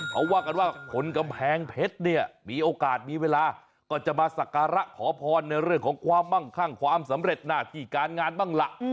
เขาว่ากันว่าคนกำแพงเพชรเนี่ยมีโอกาสมีเวลาก็จะมาสักการะขอพรในเรื่องของความมั่งข้างความสำเร็จหน้าที่การงานบ้างล่ะ